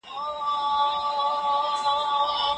خپله پانګه په سمه توګه وکاروئ.